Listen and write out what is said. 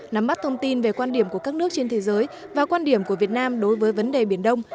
nắm bắt thông tin về quan điểm của các nước trên thế giới và quan điểm của việt nam đối với vấn đề biển đông